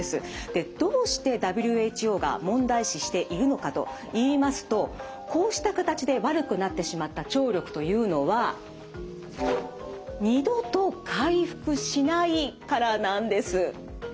どうしてＷＨＯが問題視しているのかといいますとこうした形で悪くなってしまった聴力というのは２度と回復しない。